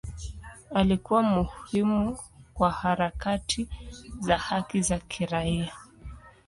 Alikuwa muhimu kwa harakati za haki za kiraia.